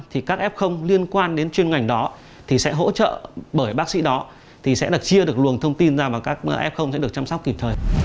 thì các f liên quan đến chuyên ngành đó thì sẽ hỗ trợ bởi bác sĩ đó thì sẽ là chia được luồng thông tin ra vào các f sẽ được chăm sóc kịp thời